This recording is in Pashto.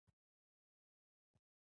د ملا د تیر په دواړو خواوو دي.